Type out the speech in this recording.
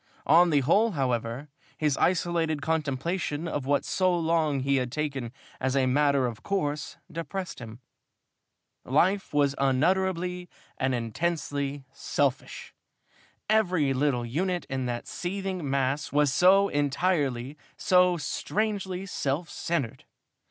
On the whole, however, his isolated contemplation of what for so long he had taken as a matter of course depressed him. Life was unutterably and intensely selfish. Every little unit in that seething mass was so entirely, so strangely self centered.